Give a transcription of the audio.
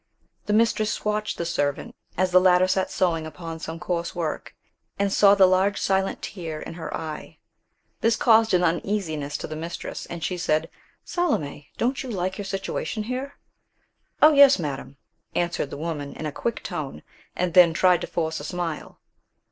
The mistress watched the servant, as the latter sat sewing upon some coarse work, and saw the large silent tear in her eye. This caused an uneasiness to the mistress, and she said, "Salome, don't you like your situation here?" "Oh yes, madam," answered the woman in a quick tone, and then tried to force a smile.